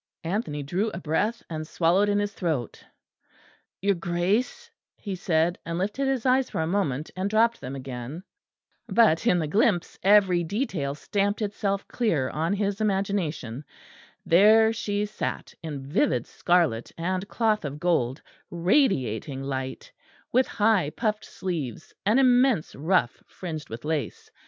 Anthony drew a breath, and swallowed in his throat. "Your Grace," he said, and lifted his eyes for a moment, and dropped them again. But in the glimpse every detail stamped itself clear on his imagination. There she sat in vivid scarlet and cloth of gold, radiating light; with high puffed sleeves; an immense ruff fringed with lace.